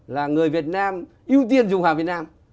là người việt nam ưu tiên dùng hàng việt nam